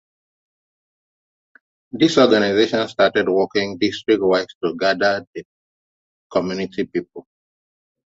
This organization started working district wise to gather the community people.